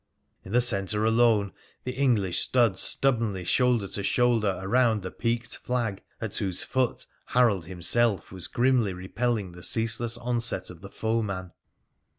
In the centre alone the English stood stubbornly shoulder to shoulder around the peaked flag, at whose foot Harold himself was grimly repelling the ceaseless onset of the foeman.